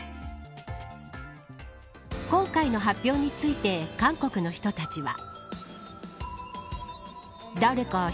今回の発表について韓国の人たちは。